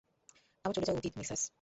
আমার চলে যাওয়া উচিৎ, মিসেস।